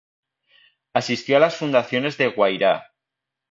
Asistió a las fundaciones de Guayrá.